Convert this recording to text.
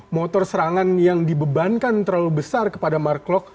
motor serangan yang dibebankan terlalu besar kepada mark klok